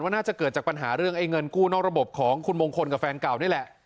น่าจะเกิดจากปัญหาเรื่องไอ้เงินกู้นอกระบบของคุณมงคลกับแฟนเก่านี่แหละ